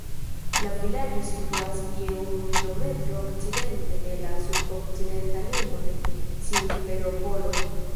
La vilaĝo situas je unu kilometro okcidente de la sud-okcidenta limo de Simferopolo.